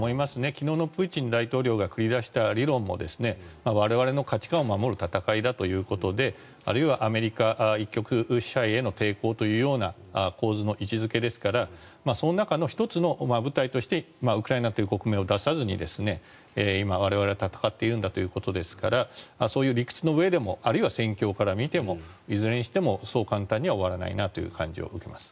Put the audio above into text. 昨日のプーチン大統領が繰り出した理論も我々の価値観を守る戦いだということであるいはアメリカ一極支配への抵抗という構図の位置付けですからその中の１つの舞台としてウクライナという国名を出さずに今、我々は戦っているんだということですからそういう理屈の上でもあるいは戦況から見てもいずれにしてもそう簡単には終わらないなという感じを受けます。